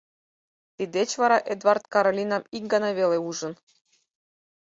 Тиддеч вара Эдвард Каролинам ик гана веле ужын.